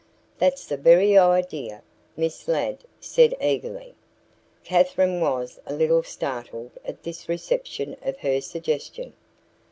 "That's the very idea," Miss Ladd said eagerly. Katherine was a little startled at this reception of her suggestion.